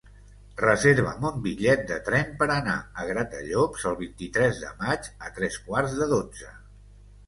Reserva'm un bitllet de tren per anar a Gratallops el vint-i-tres de maig a tres quarts de dotze.